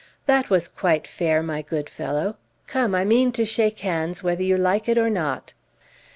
"That was quite fair, my good fellow. Come, I mean to shake hands, whether you like it or not."